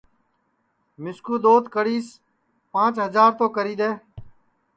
مِسکُو دؔوت کڑیس پانٚچ ہجار تو کری دؔے